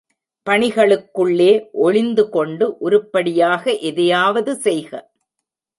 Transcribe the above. பணிகளுக்குள்ளே ஒளிந்துகொண்டு உருப்படியாக எதையாவது செய்க.